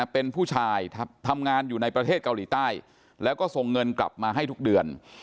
เป็นผู้ชายทำงานอยู่ในประเทศเกาหลีใต้แล้วก็ส่งเงินกลับมาให้ทุกเดือน